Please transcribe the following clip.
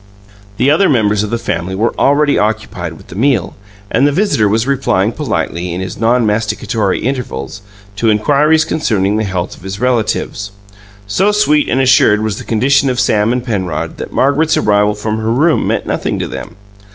The other members of the family were already occupied with the meal, and the visitor was replying politely, in his non masticatory intervals, to inquiries concerning the health of his relatives. So sweet and assured was the condition of Sam and Penrod that Margaret's arrival from her room meant nothing to them.